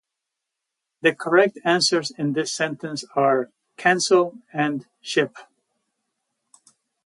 The correct answers in this sentence are "cancel" and "ship".